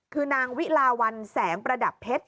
คือนางวิลาวันแสงประดับเพชร